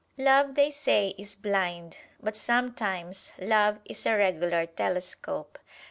Love, they say, is blind, but sometimes love is a regular telescope.